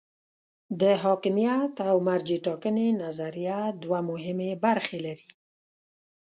د حاکمیت او مرجع ټاکنې نظریه دوه مهمې برخې لري.